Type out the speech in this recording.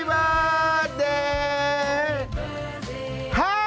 เวอร์แล้ว